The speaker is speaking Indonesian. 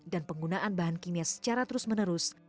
dan penggunaan bahan kimia secara terus menerus